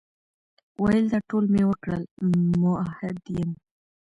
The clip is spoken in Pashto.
ویل دا ټول مي وکړل، مؤحد یم ،